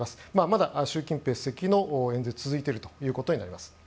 まだ習近平主席の演説続いていることになります。